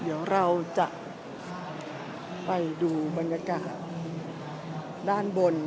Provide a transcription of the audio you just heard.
เดี๋ยวเราจะไปดูบรรยากาศด้านบน